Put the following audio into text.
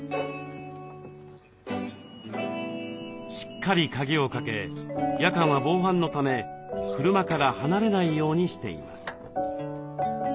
しっかり鍵をかけ夜間は防犯のため車から離れないようにしています。